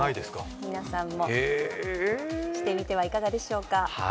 皆さんもしてみてはいかがでしょうか？